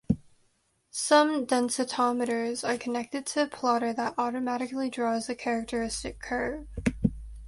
Some densitometers are connected to a plotter that automatically draws the characteristic curve.